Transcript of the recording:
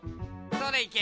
それいけ！